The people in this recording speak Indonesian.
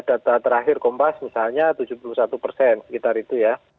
data terakhir kompas misalnya tujuh puluh satu persen sekitar itu ya